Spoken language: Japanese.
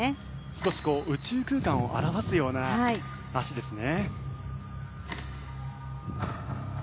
少し宇宙空間を表すような脚ですね。